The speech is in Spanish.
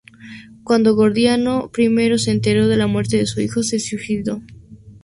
Cuando Gordiano I se enteró de la muerte de su hijo se suicidó.